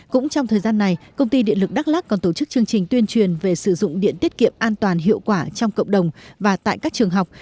cũng trong thời gian này công ty điện lực đắk lắc còn tổ chức chương trình tuyên truyền về sử dụng điện tiết kiệm an toàn hiệu quả trong cộng đồng và tại các trường học